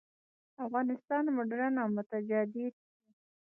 افغانستان مډرن او متجدد شي.